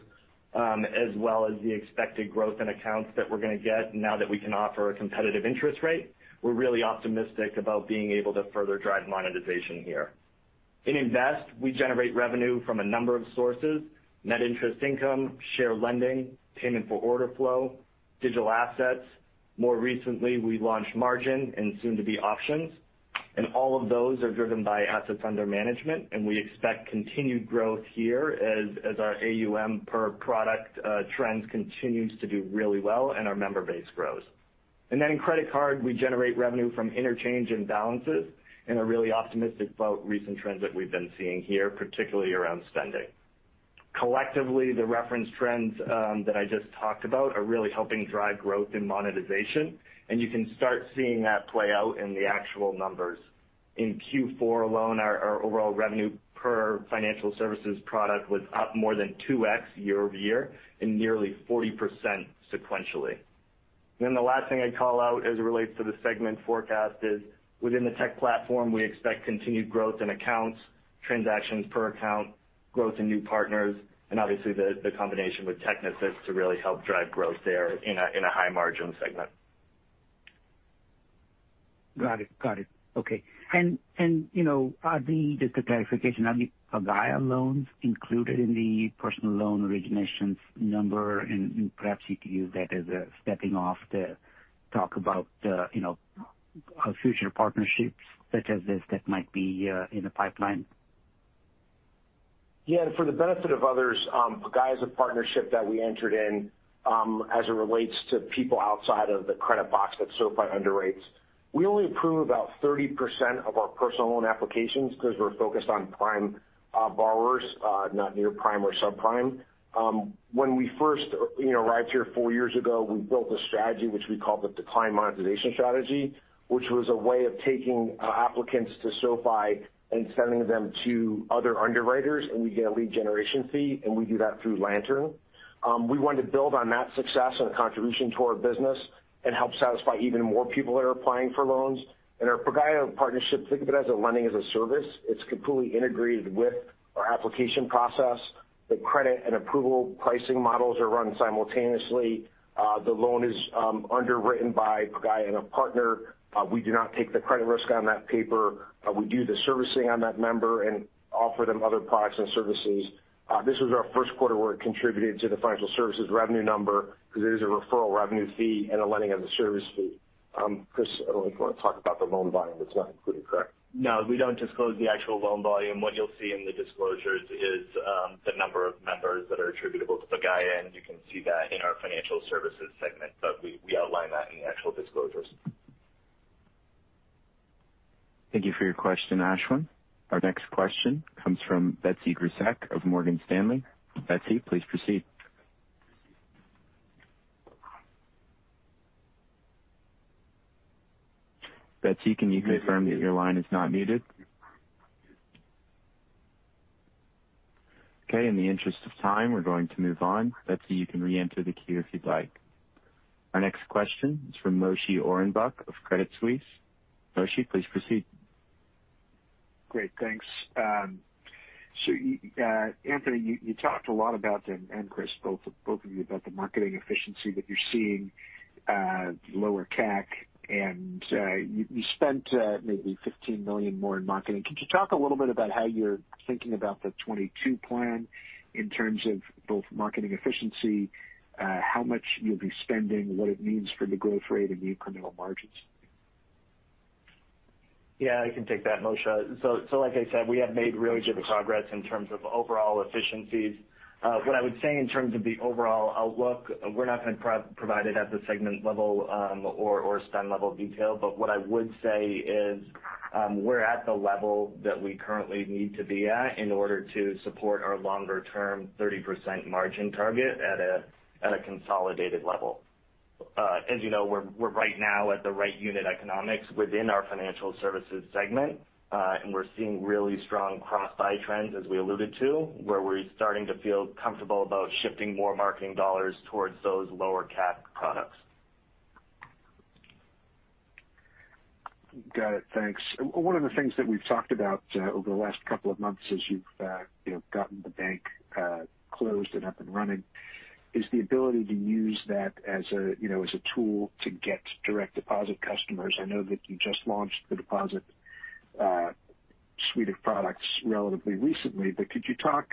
as well as the expected growth in accounts that we're going to get now that we can offer a competitive interest rate, we're really optimistic about being able to further drive monetization here. In Invest, we generate revenue from a number of sources, net interest income, shared lending, payment for order flow, digital assets. More recently, we launched margin and soon to be options. All of those are driven by assets under management, and we expect continued growth here as our AUM per product trends continues to do really well and our member base grows. In credit card, we generate revenue from interchange and balances, and are really optimistic about recent trends that we've been seeing here, particularly around spending. Collectively, the reference trends that I just talked about are really helping drive growth in monetization, and you can start seeing that play out in the actual numbers. In Q4 alone, our overall revenue per financial services product was up more than 2x year-over-year and nearly 40% sequentially. The last thing I'd call out as it relates to the segment forecast is within the tech platform, we expect continued growth in accounts, transactions per account, growth in new partners, and obviously the combination with Technisys to really help drive growth there in a high-margin segment. Got it. Okay. Just a clarification, are the Pagaya loans included in the personal loan originations number? Perhaps you could use that as a stepping off to talk about, you know, our future partnerships such as this that might be in the pipeline. Yeah. For the benefit of others, Pagaya is a partnership that we entered in, as it relates to people outside of the credit box that SoFi underwrites. We only approve about 30% of our personal loan applications because we're focused on prime borrowers, not near prime or subprime. When we first, you know, arrived here four years ago, we built a strategy which we call the decline monetization strategy, which was a way of taking applicants to SoFi and sending them to other underwriters, and we get a lead generation fee, and we do that through Lantern. We wanted to build on that success and contribution to our business and help satisfy even more people that are applying for loans. Our Pagaya partnership, think of it as a lending as a service. It's completely integrated with our application process. The credit and approval pricing models are run simultaneously. The loan is underwritten by Pagaya and a partner. We do not take the credit risk on that paper. We do the servicing on that member and offer them other products and services. This was our first quarter where it contributed to the financial services revenue number because it is a referral revenue fee and a lending as a service fee. Chris, I don't know if you want to talk about the loan volume that's not included, correct? No, we don't disclose the actual loan volume. What you'll see in the disclosures is the number of members that are attributable to Pagaya, and you can see that in our Financial Services segment. We outline that in the actual disclosures. Thank you for your question, Ashwin. Our next question comes from Betsy Graseck of Morgan Stanley. Betsy, please proceed. Betsy, can you confirm that your line is not muted? Okay, in the interest of time, we're going to move on. Betsy, you can reenter the queue if you'd like. Our next question is from Moshe Orenbuch of Credit Suisse. Moshe, please proceed. Great. Thanks. Anthony, you talked a lot about, and Chris, both of you, about the marketing efficiency that you're seeing, lower CAC, and you spent maybe $15 million more in marketing. Could you talk a little bit about how you're thinking about the 2022 plan in terms of both marketing efficiency, how much you'll be spending, what it means for the growth rate and the incremental margins? Yeah, I can take that, Moshe. Like I said, we have made really good progress in terms of overall efficiencies. What I would say in terms of the overall outlook, we're not gonna provide it at the segment level, or spend level detail. What I would say is, we're at the level that we currently need to be at in order to support our longer-term 30% margin target at a consolidated level. As you know, we're right now at the right unit economics within our financial services segment. We're seeing really strong cross-buy trends as we alluded to, where we're starting to feel comfortable about shifting more marketing dollars towards those lower CAC products. Got it. Thanks. One of the things that we've talked about over the last couple of months as you've you know gotten the bank closed and up and running is the ability to use that as a you know as a tool to get direct deposit customers. I know that you just launched the deposit suite of products relatively recently. Could you talk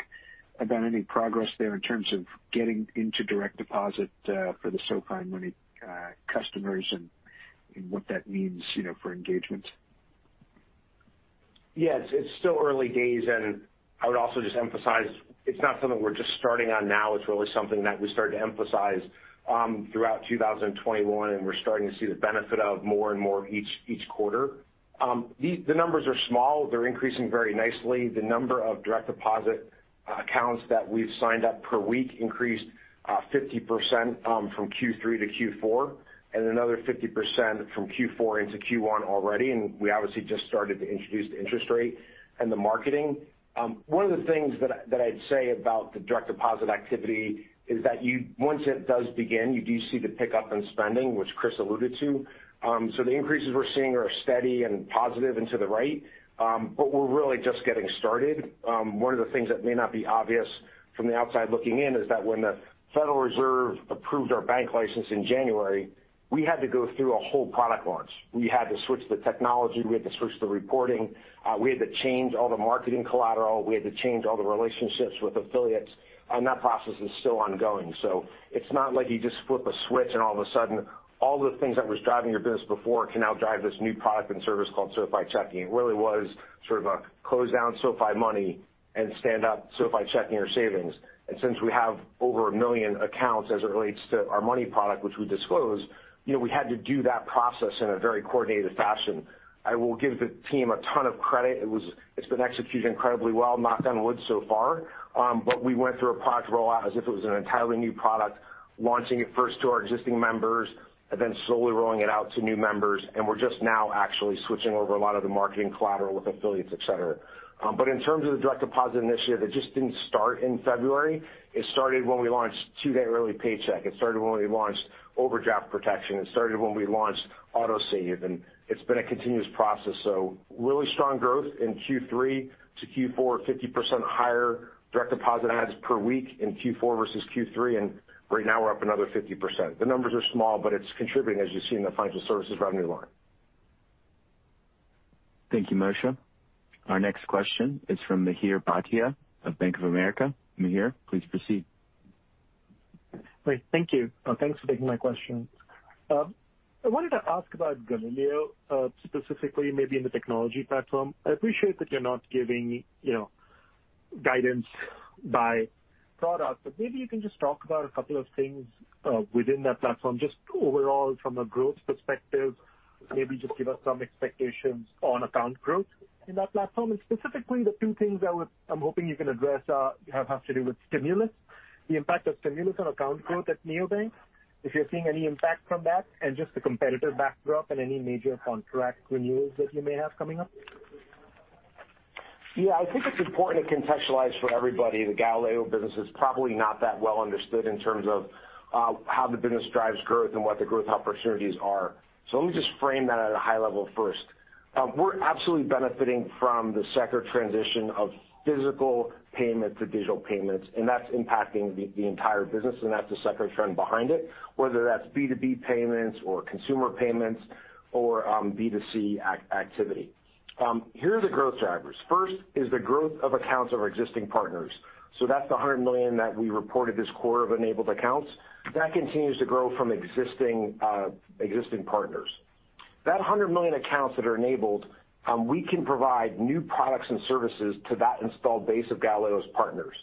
about any progress there in terms of getting into direct deposit for the SoFi Money customers and what that means you know for engagement? Yes, it's still early days, and I would also just emphasize it's not something we're just starting on now. It's really something that we started to emphasize throughout 2021, and we're starting to see the benefit of more and more each quarter. The numbers are small. They're increasing very nicely. The number of direct deposit accounts that we've signed up per week increased 50% from Q3 to Q4, and another 50% from Q4 into Q1 already, and we obviously just started to introduce the interest rate and the marketing. One of the things that I'd say about the direct deposit activity is that you, once it does begin, you do see the pickup in spending, which Chris alluded to. The increases we're seeing are steady and positive and to the right. We're really just getting started. One of the things that may not be obvious from the outside looking in is that when the Federal Reserve approved our bank license in January, we had to go through a whole product launch. We had to switch the technology, we had to switch the reporting, we had to change all the marketing collateral, we had to change all the relationships with affiliates, and that process is still ongoing. It's not like you just flip a switch and all of a sudden, all the things that was driving your business before can now drive this new product and service called SoFi Checking. It really was sort of a close down SoFi Money and stand up SoFi Checking or Savings. Since we have over a million accounts as it relates to our money product which we disclose, you know, we had to do that process in a very coordinated fashion. I will give the team a ton of credit. It's been executed incredibly well, knock on wood so far. We went through a product rollout as if it was an entirely new product, launching it first to our existing members and then slowly rolling it out to new members. We're just now actually switching over a lot of the marketing collateral with affiliates, et cetera. In terms of the direct deposit initiative, it just didn't start in February. It started when we launched two-day early paycheck. It started when we launched overdraft protection. It started when we launched Autosave, and it's been a continuous process. Really strong growth in Q3 to Q4, 50% higher direct deposit adds per week in Q4 versus Q3, and right now we're up another 50%. The numbers are small, but it's contributing as you see in the financial services revenue line. Thank you, Moshe. Our next question is from Mihir Bhatia of Bank of America. Mihir, please proceed. Great. Thank you. Thanks for taking my question. I wanted to ask about Galileo, specifically maybe in the technology platform. I appreciate that you're not giving, you know, guidance by product. Maybe you can just talk about a couple of things within that platform, just overall from a growth perspective. Maybe just give us some expectations on account growth in that platform. Specifically, the two things I'm hoping you can address have to do with stimulus, the impact of stimulus on account growth at neobanks. If you're seeing any impact from that and just the competitive backdrop and any major contract renewals that you may have coming up. Yeah. I think it's important to contextualize for everybody. The Galileo business is probably not that well understood in terms of how the business drives growth and what the growth opportunities are. Let me just frame that at a high level first. We're absolutely benefiting from the secular transition of physical payment to digital payments, and that's impacting the entire business, and that's the secular trend behind it, whether that's B2B payments or consumer payments or B2C activity. Here are the growth drivers. First is the growth of accounts of our existing partners. That's the 100 million that we reported this quarter of enabled accounts. That continues to grow from existing partners. That 100 million accounts that are enabled, we can provide new products and services to that installed base of Galileo's partners.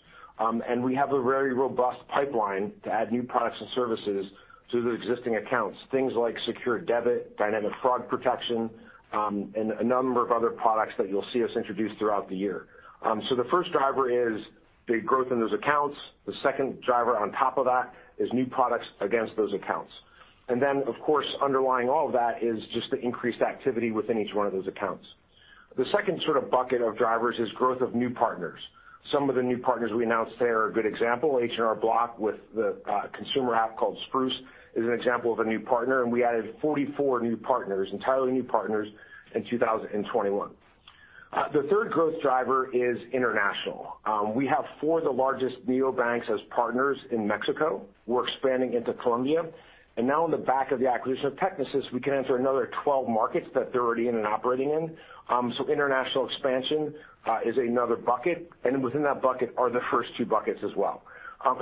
We have a very robust pipeline to add new products and services to the existing accounts, things like secure debit, dynamic fraud protection, and a number of other products that you'll see us introduce throughout the year. The first driver is the growth in those accounts. The second driver on top of that is new products against those accounts. Of course, underlying all of that is just the increased activity within each one of those accounts. The second sort of bucket of drivers is growth of new partners. Some of the new partners we announced today are a good example. H&R Block with the consumer app called Spruce is an example of a new partner, and we added 44 new partners, entirely new partners in 2021. The third growth driver is international. We have four of the largest neobanks as partners in Mexico. We're expanding into Colombia. Now in the back of the acquisition of Technisys, we can enter another 12 markets that they're already in and operating in. International expansion is another bucket, and within that bucket are the first two buckets as well.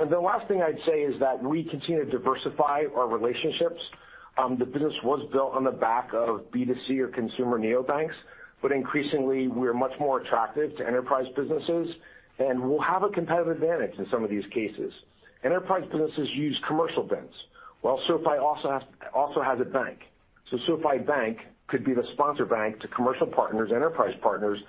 The last thing I'd say is that we continue to diversify our relationships. The business was built on the back of B2C or consumer neobanks. Increasingly, we're much more attractive to enterprise businesses, and we'll have a competitive advantage in some of these cases. Enterprise businesses use commercial banks, while SoFi also has a bank. SoFi Bank could be the sponsor bank to commercial partners, enterprise partners,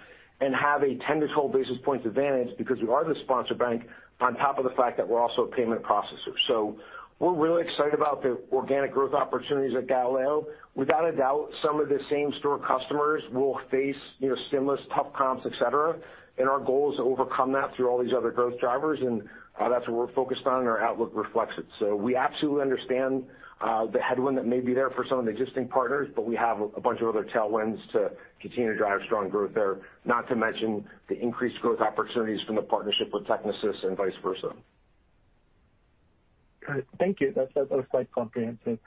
and have a 10 basis points-12 basis points advantage because we are the sponsor bank on top of the fact that we're also a payment processor. We're really excited about the organic growth opportunities at Galileo. Without a doubt, some of the same store customers will face, you know, stimulus, tough comps, et cetera. Our goal is to overcome that through all these other growth drivers, and that's what we're focused on, and our outlook reflects it. We absolutely understand the headwind that may be there for some of the existing partners, but we have a bunch of other tailwinds to continue to drive strong growth there. Not to mention the increased growth opportunities from the partnership with Technisys and vice versa. Great. Thank you. That was quite comprehensive.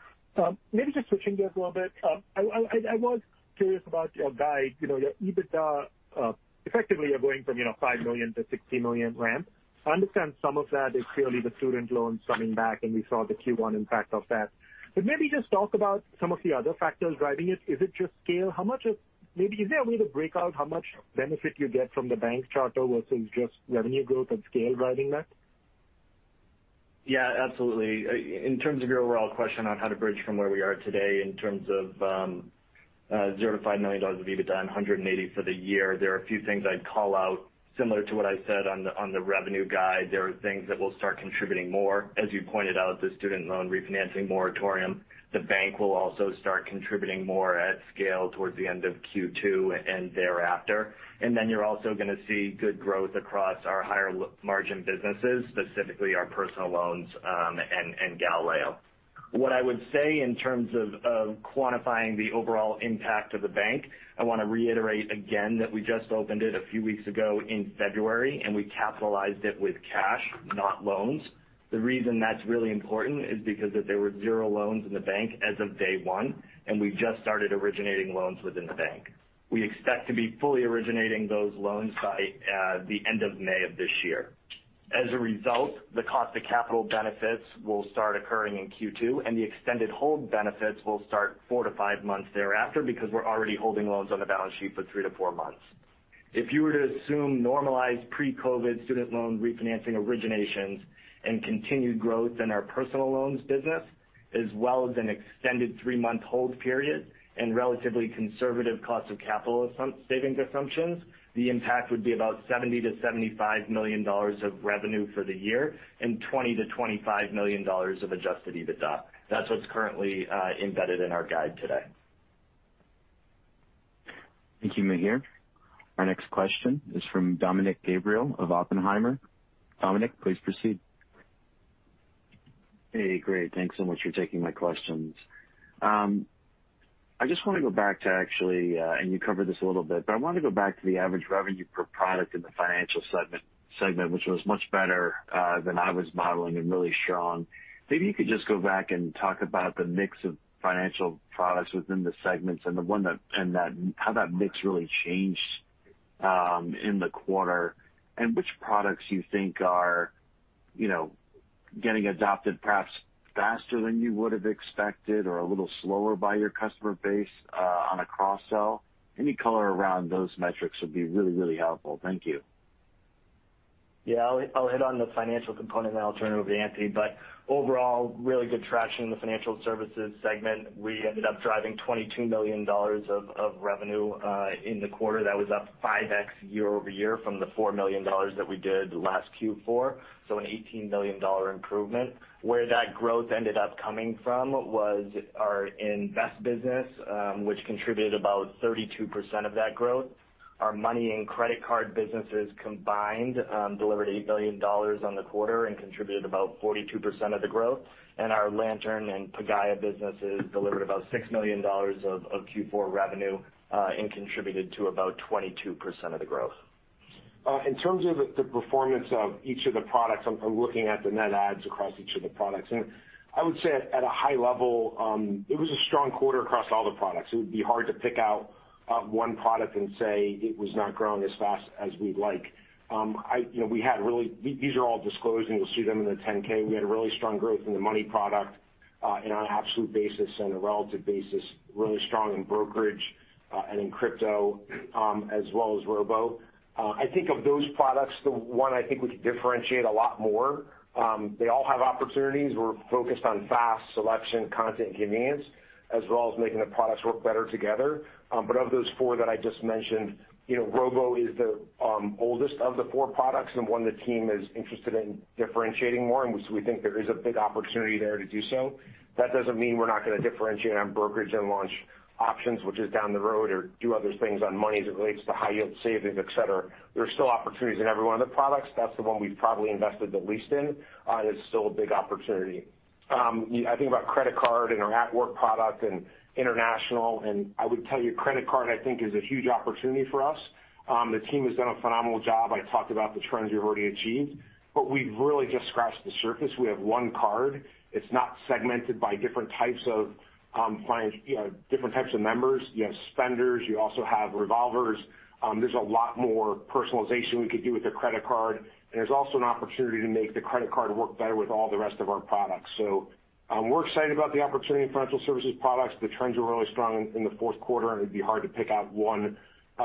Maybe just switching gears a little bit. I was curious about your guide. You know, your EBITDA, effectively, you're going from, you know, $5 million-$16 million ramp. I understand some of that is clearly the student loans coming back, and we saw the Q1 impact of that. Maybe just talk about some of the other factors driving it. Is it just scale? Maybe is there a way to break out how much benefit you get from the bank charter versus just revenue growth and scale driving that? Yeah, absolutely. In terms of your overall question on how to bridge from where we are today in terms of $0 million-$5 million of EBITDA and $180 million for the year, there are a few things I'd call out. Similar to what I said on the revenue guide, there are things that will start contributing more. As you pointed out, the student loan refinancing moratorium. The bank will also start contributing more at scale towards the end of Q2 and thereafter. Then you're also gonna see good growth across our higher-margin businesses, specifically our personal loans, and Galileo. What I would say in terms of quantifying the overall impact of the bank, I wanna reiterate again that we just opened it a few weeks ago in February, and we capitalized it with cash, not loans. The reason that's really important is because that there were zero loans in the bank as of day one, and we've just started originating loans within the bank. We expect to be fully originating those loans by the end of May of this year. As a result, the cost of capital benefits will start occurring in Q2, and the extended hold benefits will start four to five months thereafter because we're already holding loans on the balance sheet for three to four months. If you were to assume normalized pre-COVID student loan refinancing originations and continued growth in our personal loans business, as well as an extended three-month hold period and relatively conservative cost of capital savings assumptions, the impact would be about $70 million-$75 million of revenue for the year and $20 million-$25 million of adjusted EBITDA. That's what's currently embedded in our guide today. Thank you, Mihir. Our next question is from Dominick Gabriele of Oppenheimer. Dominick, please proceed. Hey, great. Thanks so much for taking my questions. I just wanna go back to actually, and you covered this a little bit, but I wanna go back to the average revenue per product in the financial segment, which was much better than I was modeling and really strong. Maybe you could just go back and talk about the mix of financial products within the segments and how that mix really changed in the quarter, and which products you think are, you know, getting adopted perhaps faster than you would have expected or a little slower by your customer base on a cross-sell. Any color around those metrics would be really, really helpful. Thank you. Yeah. I'll hit on the financial component, and then I'll turn it over to Anthony. Overall, really good traction in the financial services segment. We ended up driving $22 million of revenue in the quarter. That was up 5x year over year from the $4 million that we did last Q4. An $18 million improvement. Where that growth ended up coming from was our Invest business, which contributed about 32% of that growth. Our Money and Credit Card businesses combined delivered $8 million on the quarter and contributed about 42% of the growth. Our Lantern and Pagaya businesses delivered about $6 million of Q4 revenue and contributed to about 22% of the growth. In terms of the performance of each of the products, I'm looking at the net adds across each of the products. I would say at a high level, it was a strong quarter across all the products. It would be hard to pick out one product and say it was not growing as fast as we'd like. You know, these are all disclosed, and you'll see them in the 10-K. We had a really strong growth in the money product, in an absolute basis and a relative basis, really strong in brokerage, and in crypto, as well as Robo. I think of those products, the one I think we can differentiate a lot more. They all have opportunities. We're focused on fast selection, content, and convenience, as well as making the products work better together. Of those four that I just mentioned, you know, Robo is the oldest of the four products and one the team is interested in differentiating more, and so we think there is a big opportunity there to do so. That doesn't mean we're not gonna differentiate on brokerage and launch options, which is down the road, or do other things on money as it relates to high yield savings, et cetera. There's still opportunities in every one of the products. That's the one we've probably invested the least in. It's still a big opportunity. I think about credit card and our at-work product and international, and I would tell you credit card I think is a huge opportunity for us. The team has done a phenomenal job. I talked about the trends we've already achieved, but we've really just scratched the surface. We have one card. It's not segmented by different types of, you know, different types of members. You have spenders. You also have revolvers. There's a lot more personalization we could do with the credit card, and there's also an opportunity to make the credit card work better with all the rest of our products. We're excited about the opportunity in financial services products. The trends were really strong in the fourth quarter, and it'd be hard to pick out one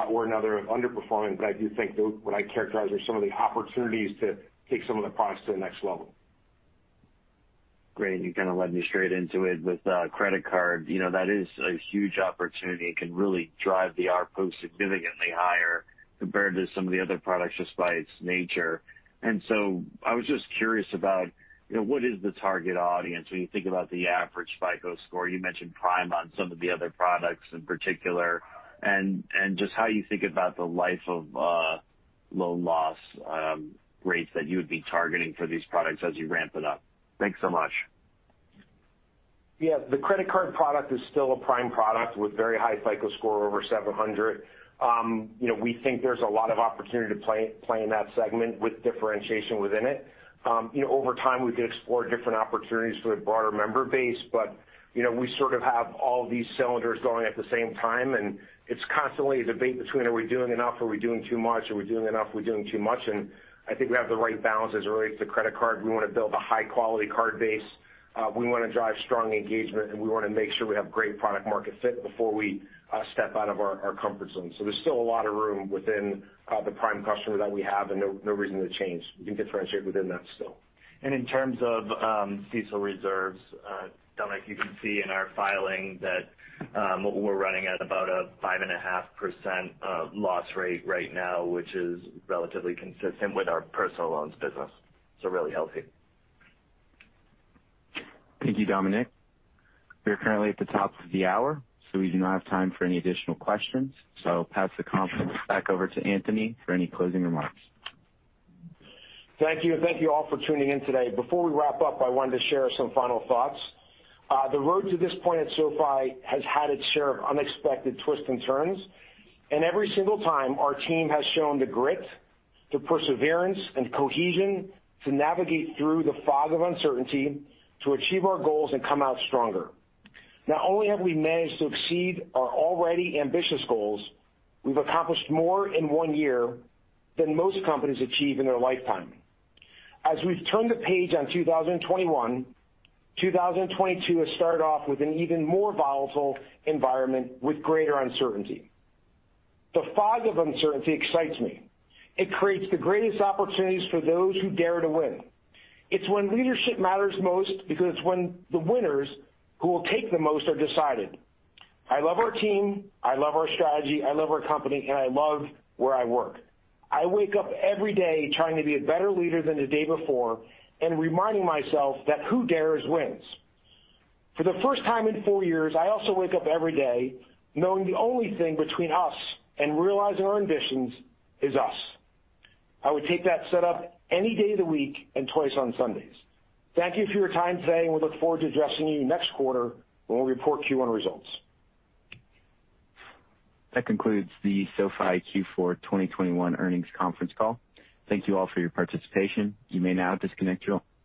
or another underperforming. I do think what I characterize are some of the opportunities to take some of the products to the next level. Great. You kind of led me straight into it with credit card. You know, that is a huge opportunity. It can really drive the ARPU significantly higher compared to some of the other products just by its nature. I was just curious about, you know, what is the target audience when you think about the average FICO score. You mentioned prime on some of the other products in particular, and just how you think about the life of low loss rates that you would be targeting for these products as you ramp it up. Thanks so much. Yeah. The credit card product is still a prime product with very high FICO score over 700. You know, we think there's a lot of opportunity to play in that segment with differentiation within it. You know, over time, we could explore different opportunities for the broader member base, but you know, we sort of have all these cylinders going at the same time, and it's constantly a debate between are we doing enough, are we doing too much? I think we have the right balance. As it relates to credit card, we wanna build a high-quality card base. We wanna drive strong engagement, and we wanna make sure we have great product market fit before we step out of our comfort zone. There's still a lot of room within the prime customer that we have and no reason to change. We can differentiate within that still. In terms of CECL Reserves, Dominick, you can see in our filing that we're running at about a 5.5% loss rate right now, which is relatively consistent with our personal loans business, so really healthy. Thank you, Dominick. We are currently at the top of the hour, so we do not have time for any additional questions. Pass the conference back over to Anthony for any closing remarks. Thank you. Thank you all for tuning in today. Before we wrap up, I wanted to share some final thoughts. The road to this point at SoFi has had its share of unexpected twists and turns. Every single time, our team has shown the grit, the perseverance and cohesion to navigate through the fog of uncertainty, to achieve our goals and come out stronger. Not only have we managed to exceed our already ambitious goals, we've accomplished more in one year than most companies achieve in their lifetime. As we've turned the page on 2021, 2022 has started off with an even more volatile environment with greater uncertainty. The fog of uncertainty excites me. It creates the greatest opportunities for those who dare to win. It's when leadership matters most because it's when the winners who will take the most are decided. I love our team, I love our strategy, I love our company, and I love where I work. I wake up every day trying to be a better leader than the day before and reminding myself that who dares wins. For the first time in four years, I also wake up every day knowing the only thing between us and realizing our ambitions is us. I would take that setup any day of the week and twice on Sundays. Thank you for your time today, and we look forward to addressing you next quarter when we report Q1 results. That concludes the SoFi Q4 2021 earnings conference call. Thank you all for your participation. You may now disconnect your line.